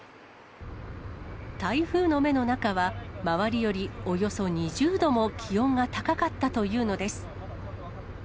台風の目の中は、回りよりおよそ２０度も気温が高かったというのです。